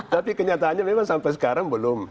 tapi kenyataannya memang sampai sekarang belum